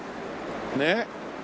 ねっ。